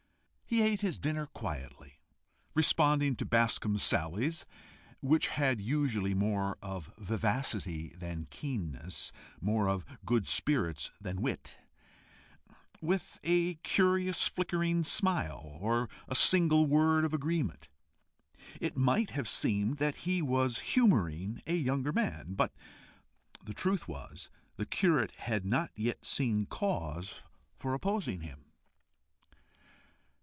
He ate his dinner, quietly responding to Bascombe's sallies which had usually more of vivacity than keenness, more of good spirits than wit with a curious flickering smile, or a single word of agreement. It might have seemed that he was humouring a younger man, but the truth was, the curate had not yet seen cause for opposing him.